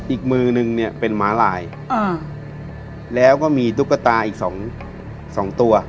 อีกมือนึงเนี่ยเป็นม้าลายแล้วก็มีตุ๊กตาอีกสองสองตัว